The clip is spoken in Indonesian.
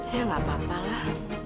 ya nggak apa apalah